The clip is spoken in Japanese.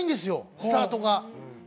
スタートが。